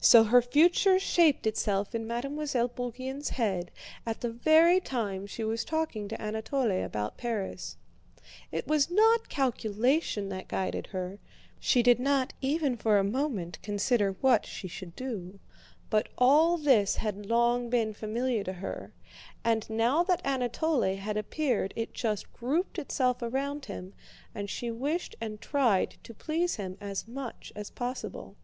So her future shaped itself in Mademoiselle Bourienne's head at the very time she was talking to Anatole about Paris. It was not calculation that guided her (she did not even for a moment consider what she should do), but all this had long been familiar to her, and now that Anatole had appeared it just grouped itself around him and she wished and tried to please him as much as possible.